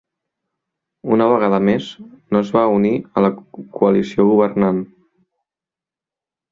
Una vegada més, no es va unir a la coalició governant.